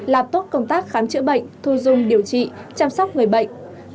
làm tốt công tác khám chữa bệnh thu dung điều trị chăm sóc người bệnh